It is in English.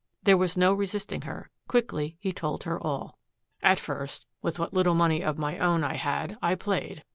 There was no resisting her. Quickly he told her all. "At first with what little money of my own I had I played.